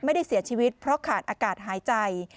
ไม่ได้เสียชีวิตเพราะขาดอากาศหายใจ